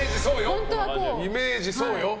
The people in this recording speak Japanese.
イメージ、そうよ。